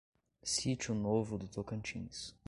Sítio Novo do Tocantins